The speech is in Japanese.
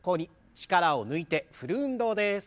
力を抜いて振る運動です。